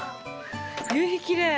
夕日きれい！